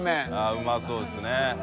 うまそうですね。